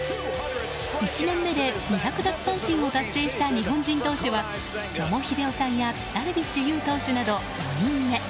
１年目で２００奪三振を達成した日本人投手は野茂英雄さんやダルビッシュ有投手など４人目。